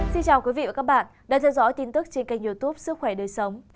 xin chào quý vị và các bạn đang theo dõi tin tức trên kênh youtube sức khỏe đời sống